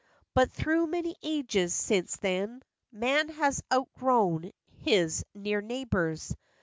But through many ages since then Man has outgrown his near neighbors.